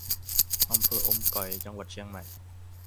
อำเภออมก๋อย จังหวัดเชียงใหม่